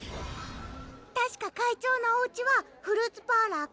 たしか会長のおうちはフルーツパーラー